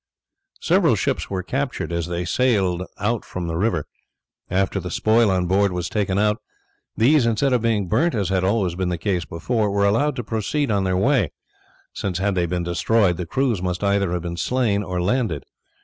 Several ships were captured as they sailed out from the river. After the spoil on board was taken out, these, instead of being burnt, as had always been the case before, were allowed to proceed on their way, since had they been destroyed the crews must either have been slain or landed.